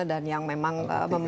dan yang memang